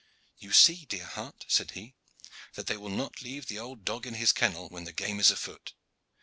"You see, dear heart," said he, "that they will not leave the old dog in his kennel when the game is afoot.